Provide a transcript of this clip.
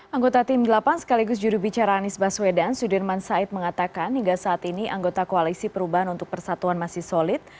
anggota tim delapan sekaligus jurubicara anies baswedan sudirman said mengatakan hingga saat ini anggota koalisi perubahan untuk persatuan masih solid